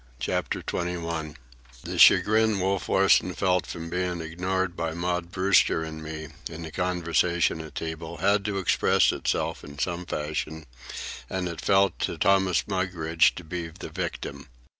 CHAPTER XXI The chagrin Wolf Larsen felt from being ignored by Maud Brewster and me in the conversation at table had to express itself in some fashion, and it fell to Thomas Mugridge to be the victim.